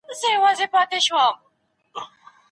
د مېرمني پر بل چا باندي څه حق دی؟